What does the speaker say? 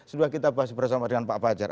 sudah kita bahas bersama dengan pak fajar